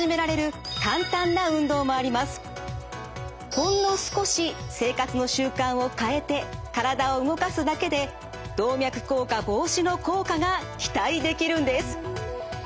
ほんの少し生活の習慣を変えて体を動かすだけで動脈硬化防止の効果が期待できるんです。